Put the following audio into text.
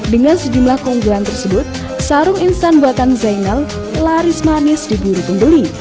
dengan sejumlah keunggulan tersebut sarung instan buatan zainal laris manis diburu pembeli